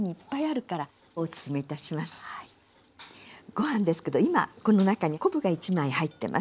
ご飯ですけど今この中に昆布が１枚入ってます。